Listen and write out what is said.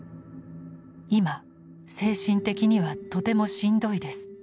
今精神的にはとてもしんどいです。